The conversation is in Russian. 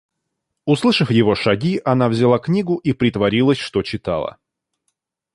Услышав его шаги, она взяла книгу и притворилась, что читала.